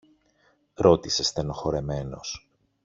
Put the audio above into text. ρώτησε στενοχωρεμένος.